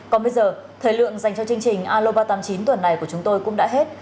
còn bây giờ thời lượng dành cho chương trình alo ba trăm tám mươi chín tuần này của chúng tôi cũng đã hết